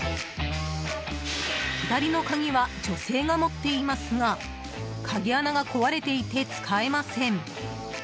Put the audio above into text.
左の鍵は女性が持っていますが鍵穴が壊れていて使えません。